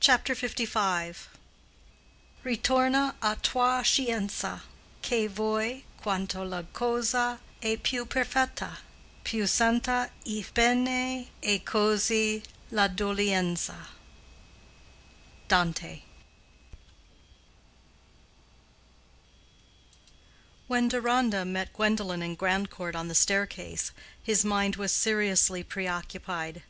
CHAPTER LV. "Ritorna a tua scienza Che vuol, quanto la cosa e più perfetta Più senta il bene, e cosi la doglienza." —DANTE. When Deronda met Gwendolen and Grandcourt on the staircase, his mind was seriously preoccupied.